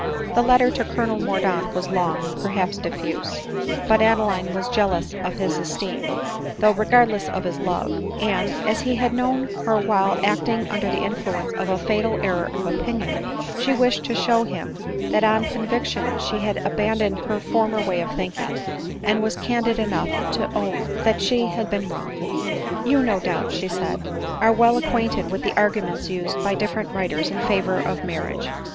The letter to Colonel Mordaunt was long, and perhaps diffuse : but Adeline was jealous of his esteem, though regardless of his love ; and as he had known her while 1 ADELINE MOWBRAY. 2g3 acting under the influence of a fatal error of opinion, she wished to show him that on conviction she had abandoned her former way of thinking, and was candid enough to own that she had been wrong. u You, no doubt,'* she said, " are well acquainted with the arguments used by different writers in favor of mar riage.